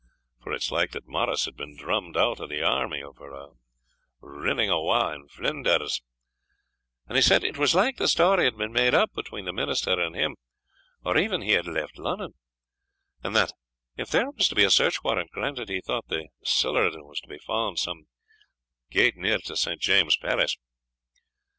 for it's like that Morris had been drummed out o' the army for rinning awa in Flanders; and he said, it was like the story had been made up between the minister and him or ever he had left Lunnun; and that, if there was to be a search warrant granted, he thought the siller wad be fund some gate near to St. James's Palace.